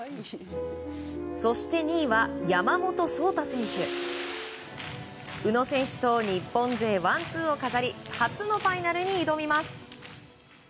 そして２位は山本草太選手。宇野選手と日本勢ワンツーを飾り初のファイナルに挑みます。